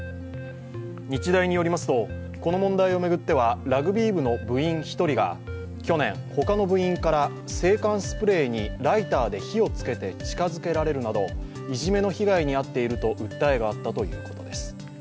日大によりますとこの問題を巡ってはラグビー部の部員１人が去年、ほかの部員から制汗スプレーにライターで火を付けて近づけられるなど、いじめの被害に遭っていると訴えがあったということです。